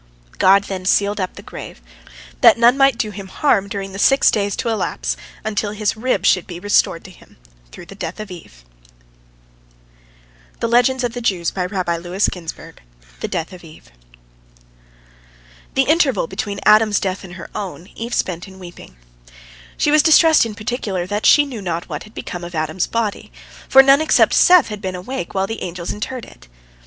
God then sealed up the grave, that none might do him harm during the six days to elapse until his rib should be restored to him through the death of Eve. THE DEATH OF EVE The interval between Adam's death and her own Eve spent in weeping. She was distressed in particular that she knew not what had become of Adam's body, for none except Seth had been awake while the angel interred it.